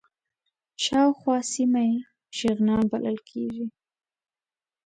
شاوخوا سیمه یې شغنان بلل کېږي.